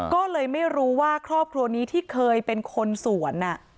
ก็เลยไม่รู้ว่าครอบครัวนี้ที่เคยเป็นคนสวน